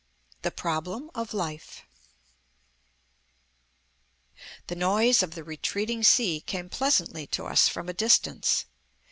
THE PROBLEM OF LIFE The noise of the retreating sea came pleasantly to us from a distance.